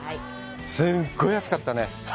すごい暑かったね。